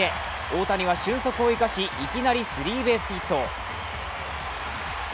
大谷は俊足を生かし、いきなりスリーベースヒット。